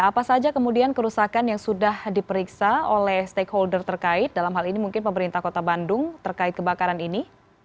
apa saja kemudian kerusakan yang sudah diperiksa oleh stakeholder terkait dalam hal ini mungkin pemerintah kota bandung terkait kebakaran ini